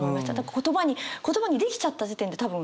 言葉に言葉にできちゃった時点で多分それは感動。